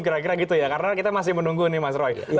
karena kita masih menunggu nih mas roy